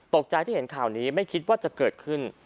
ตกใจที่เห็นข่าวนี้ไม่คิดว่าจะเกิดขึ้น